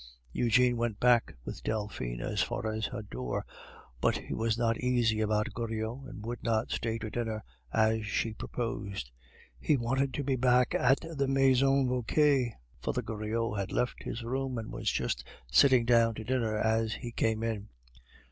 Eugene went back with Delphine as far as her door; but he was not easy about Goriot, and would not stay to dinner, as she proposed. He wanted to be back at the Maison Vauquer. Father Goriot had left his room, and was just sitting down to dinner as he came in.